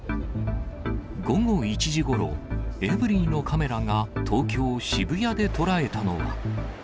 午後１時ごろ、エブリィのカメラが東京・渋谷で捉えたのは。